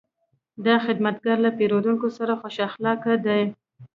دا خدمتګر له پیرودونکو سره خوش اخلاقه دی.